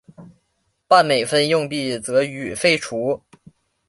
半美分硬币则予废除。